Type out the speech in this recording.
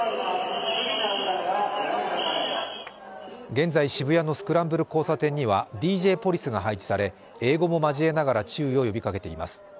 現在渋谷のスクランブル交差点ではＤＪポリスが配置され、英語も交えながら注意を呼びかけています。